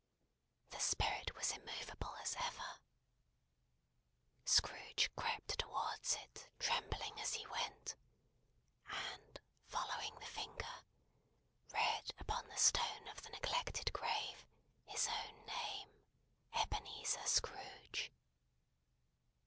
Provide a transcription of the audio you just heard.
The Spirit was immovable as ever. Scrooge crept towards it, trembling as he went; and following the finger, read upon the stone of the neglected grave his own name, EBENEZER SCROOGE.